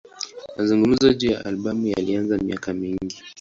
Mazungumzo juu ya albamu yalianza miaka mingi.